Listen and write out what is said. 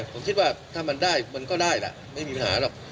ผมคิดว่าถ้ามันได้มันก็ได้ล่ะไม่มีปัญหาหรอก